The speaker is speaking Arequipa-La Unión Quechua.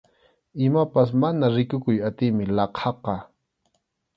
Imapas mana rikukuy atiymi laqhaqa.